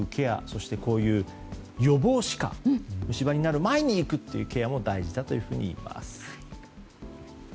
そして、こういう予防歯科虫歯になる前に行くというケアも大事だといいます。